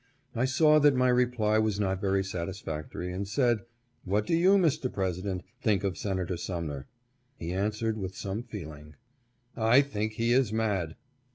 I saw that my reply was not very satis factory, and said :" What do you, Mr. President, think of Senator Sumner "? He answered, with some feeling :" I think he is mad."